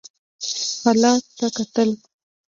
حالت ته کتل.